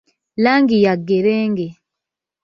Langi ya ggerenge.